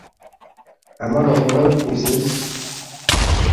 আমার অপরাধ, মিসেস?